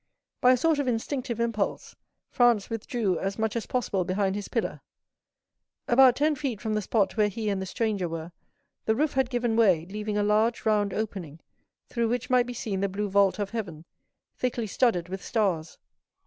By a sort of instinctive impulse, Franz withdrew as much as possible behind his pillar. About ten feet from the spot where he and the stranger were, the roof had given way, leaving a large round opening, through which might be seen the blue vault of heaven, thickly studded with stars.